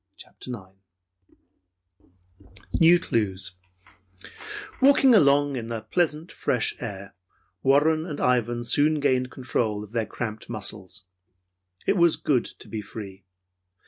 CHAPTER IX NEW CLUES Walking along in the pleasant, fresh air, Warren and Ivan soon gained control of their cramped muscles. It was good to be free.